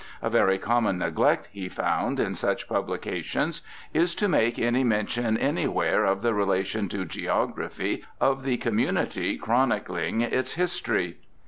A very common neglect, he found, in such publications is to make any mention anywhere of the relation to geography of the community chronicling its history.